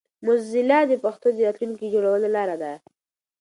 موزیلا د پښتو د راتلونکي جوړولو لاره ده.